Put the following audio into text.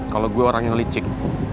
kalau gue orang yang licik